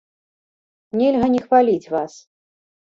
Нельга не хваліць вас.